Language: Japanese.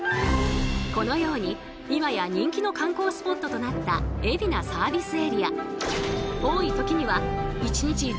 このように今や人気の観光スポットとなった海老名サービスエリア。